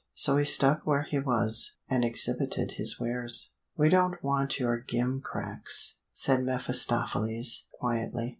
So he stuck where he was, and exhibited his wares. "We don't want your gim cracks," said mephistopheles quietly.